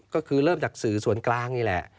ก็คือเริ่มจากสื่อส่วนกลางนี่แหละ